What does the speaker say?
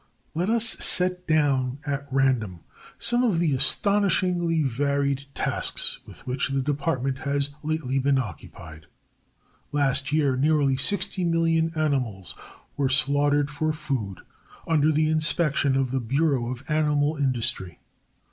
Let us set down at random some of the astonishingly varied tasks with which the Department has lately been occupied. Last year nearly sixty million animals were slaughtered for food under the inspection of the Bureau of Animal Industry.